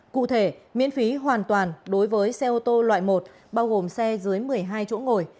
cụ thể miễn phí hoàn toàn đối với xe ô tô loại một bao gồm xe dưới một mươi hai chỗ ngồi